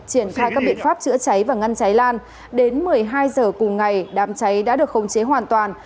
triển khai các biện pháp chữa cháy và ngăn cháy lan đến một mươi hai h cùng ngày đám cháy đã được khống chế hoàn toàn